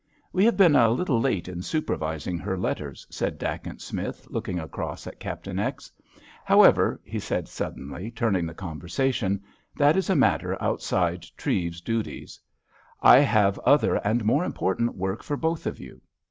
"We have been a little late in supervising her letters," said Dacent Smith, looking across at Captain X. "However," he said suddenly, turning the conversation, "that is a matter outside Treves's duties. I have other and more important work for both of you.